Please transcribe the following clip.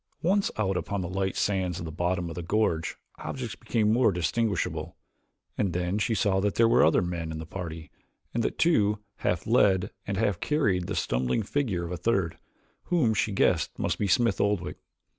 Once out upon the light sands of the bottom of the gorge objects became more distinguishable, and then she saw that there were other men in the party and that two half led and half carried the stumbling figure of a third, whom she guessed must be Smith Oldwick.